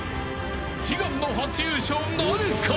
悲願の初優勝なるか。